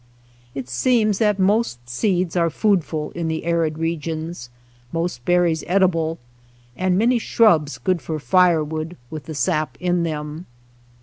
It seems that most seeds are foodful in the arid regions, most berries edible, and many 94 SHOSHONE LAND shrubs good for firewood with the sap in them.